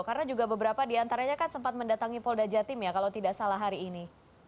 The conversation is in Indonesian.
karena juga beberapa diantaranya kan sempat mendatangi polda jatim ya kalau tidak salah hari ini